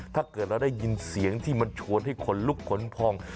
ถ้าเกิดเราได้ยินเสียงที่มันชวนให้ขนลุกขนพอง